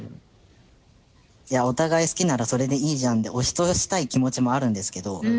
「お互い好きならそれでいいじゃん」で押し通したい気持ちもあるんですけど。